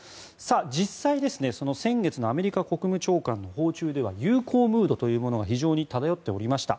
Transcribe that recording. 実際、先月のアメリカ国務長官の訪中では友好ムードというものが非常に漂っておりました。